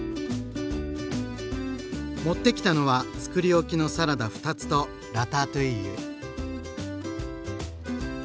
持ってきたのはつくり置きのサラダ２つとラタトゥイユ。